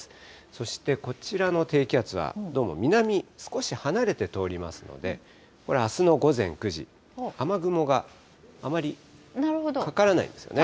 そしてこちらの低気圧はどうも南、少し離れて通りますので、これ、あすの午前９時、雨雲があまりかからないんですよね。